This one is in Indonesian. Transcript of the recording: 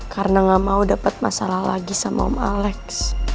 karena gak mau dapet masalah lagi sama om alex